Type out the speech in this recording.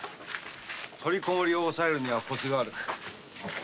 取篭りを押えるには「コツ」がある。